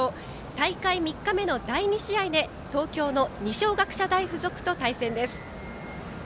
大会３日目の第２試合で東京の二松学舎大付属と対戦です。